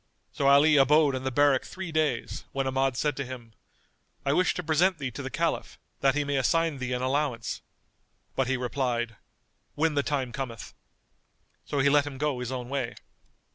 So Ali abode in the barrack three days when Ahmad said to him, "I wish to present thee to the Caliph, that he may assign thee an allowance." But he replied, "When the time cometh." So he let him go his own way.